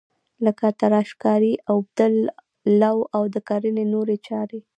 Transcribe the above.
لکه تراشکاري، اوبدل، لو او د کرنې نورې چارې.